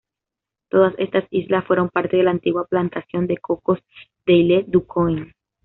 Todas estas islas fueron parte de la antigua plantación de cocos de Île-du Coin.